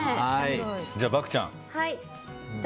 じゃあ、漠ちゃん。